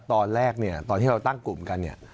ตอนแรกเนี่ยตอนที่เราตั้งกลุ่มกันเนี่ย